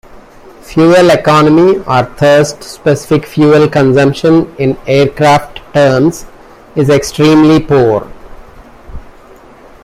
Fuel economy, or thrust specific fuel consumption in aircraft terms, is extremely poor.